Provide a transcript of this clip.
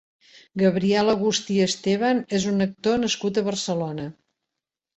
Gabriel Agustí Estevan és un actor nascut a Barcelona.